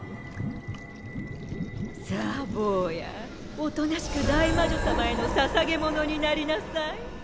さあぼうやおとなしく大魔女様へのささげものになりなさい。